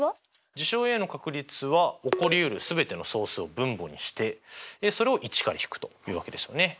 事象Ａの確率は起こりうる全ての総数を分母にしてそれを１から引くというわけですよね。